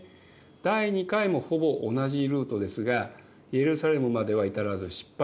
第２回もほぼ同じルートですがエルサレムまでは至らず失敗しています。